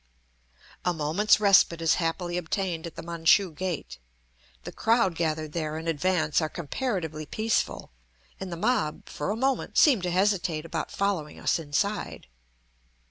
A moment's respite is happily obtained at the Manchu gate; the crowd gathered there in advance are comparatively peaceful, and the mob, for a moment, seem to hesitate about following us inside.